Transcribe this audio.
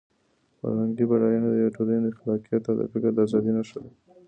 فرهنګي بډاینه د یوې ټولنې د خلاقیت او د فکر د ازادۍ نښه ده.